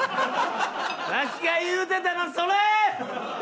わしが言うてたのそれ！